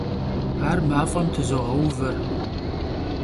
Ar maf'em tızoğeuver.